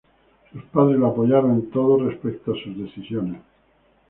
Sus padres lo apoyaron en todo respecto a sus decisiones.